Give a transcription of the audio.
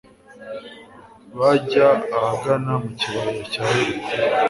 bajya ahagana mu kibaya cya yeriko